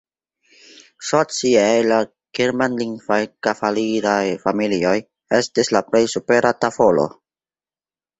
Socie la germanlingvaj kavaliraj familioj estis la plej supera tavolo.